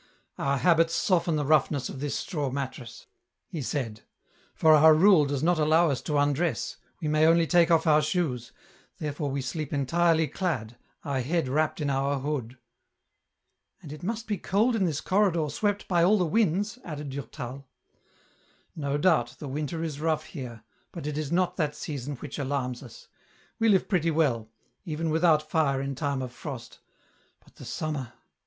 " Our habits soften the roughness of this straw mattress," u 290 EN ROUTE. he said ; "for our rule does not allow us to undress, we may only take off our shoes, therefore we sleep entirely clad, our head wrapped in our hood." " And it must be cold in this corridor swept by all the winds," added Durtal. " No doubt the winter is rough here, but it is not that season which alarms us ; we live pretty well, even without fire in time of frost, but the summer —